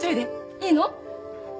いいの？